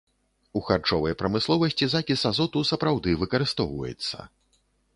У харчовай прамысловасці закіс азоту сапраўды выкарыстоўваецца.